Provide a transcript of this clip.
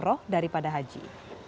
umroh daripada haji